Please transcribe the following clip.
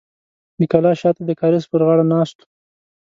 د کلا شاته د کاریز پر غاړه ناست و.